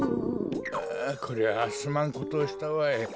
ああこれはすまんことをしたわい。